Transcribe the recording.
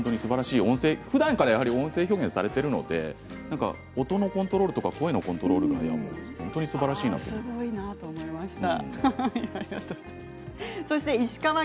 ふだんから音声表現をされているので音のコントロールとかが本当にすばらしいなと思いました。